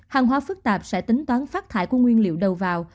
hàng hóa phức tạp sẽ tính toán phát thải của nguyên liệu đầu vào